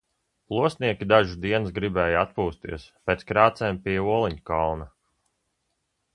Plostnieki dažas dienas gribēja atpūsties pēc krācēm pie Oliņkalna.